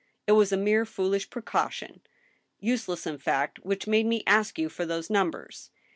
... It was a mere foolish precaution, ... useless, in fact, which made me ask you for those numbers